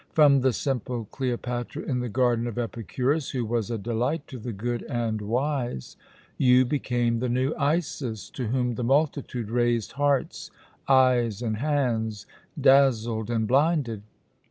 From the simple Cleopatra in the garden of Epicurus, who was a delight to the good and wise, you became the new Isis, to whom the multitude raised hearts, eyes, and hands, dazzled and blinded.